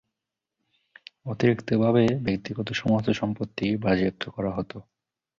অতিরিক্তভাবে, ব্যক্তির সমস্ত সম্পত্তি বাজেয়াপ্ত করা হতো।